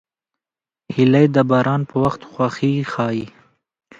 هیلۍ د باران په وخت خوښي ښيي